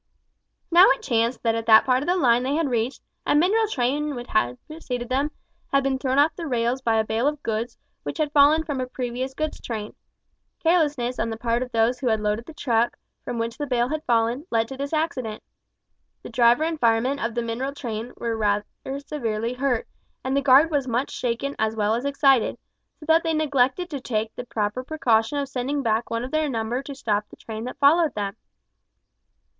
Now it chanced that at the part of the line they had reached, a mineral train which preceded them had been thrown off the rails by a bale of goods which had fallen from a previous goods train. Carelessness on the part of those who had loaded the truck, from which the bale had fallen, led to this accident. The driver and fireman of the mineral train were rather severely hurt, and the guard was much shaken as well as excited, so that they neglected to take the proper precaution of sending back one of their number to stop the train that followed them.